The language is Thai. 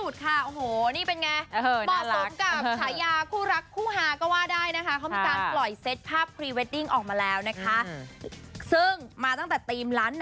ที่ล่าสูตรค่ะโอ้โหนี่เป็นไง